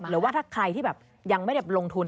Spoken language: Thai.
หรือว่าถ้าใครที่แบบยังไม่ได้ลงทุน